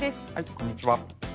こんにちは。